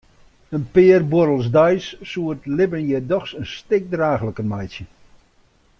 In pear buorrels deis soe it libben hjir dochs in stik draachliker meitsje.